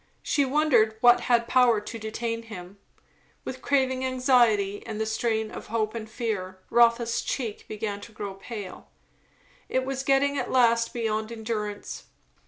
She wondered what had power to detain him. With craving anxiety and the strain of hope and fear, Rotha's cheek began to grow pale. It was getting at last beyond endurance.